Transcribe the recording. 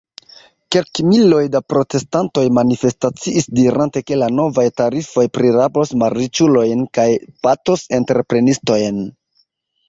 Kelkmiloj da protestantoj manifestaciis, dirante, ke la novaj tarifoj prirabos malriĉulojn kaj batos entreprenistojn.